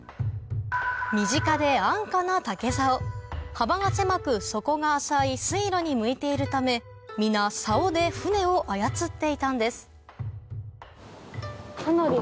身近で安価な竹棹幅が狭く底が浅い水路に向いているため皆棹で舟を操っていたんです